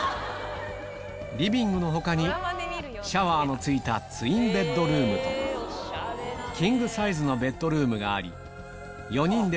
リビングの他にシャワーのついたツインベッドルームとキングサイズのベッドルームがあり何だろう？